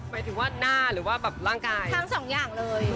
หมายถึงว่าหน้าหรือว่าแบบร่างกายทั้งสองอย่างเลย